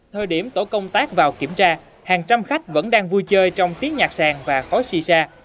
thời điểm tổ công tác vào kiểm tra hàng trăm khách vẫn đang vui chơi trong tiếng nhạc sàng và khói xì xa